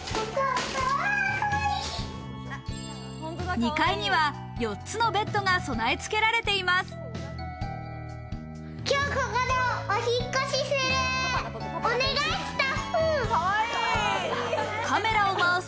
２階には４つのベッドが備え付けられています。